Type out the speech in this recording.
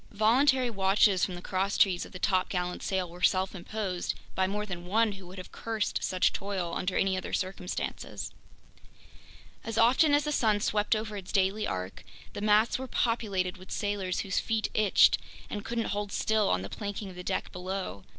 Voluntary watches from the crosstrees of the topgallant sail were self imposed by more than one who would have cursed such toil under any other circumstances. As often as the sun swept over its daily arc, the masts were populated with sailors whose feet itched and couldn't hold still on the planking of the deck below!